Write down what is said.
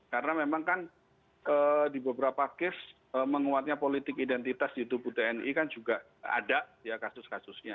karena memang kan di beberapa kes menguatnya politik identitas di tubuh tni kan juga ada ya kasus kasusnya